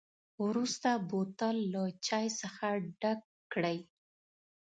وروسته بوتل له چای څخه ډک کړئ.